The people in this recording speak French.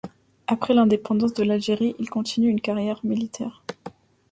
Après l'indépendance de l'Algérie il continue une carrière militaire.